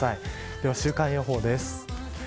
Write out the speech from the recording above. では週間予報です。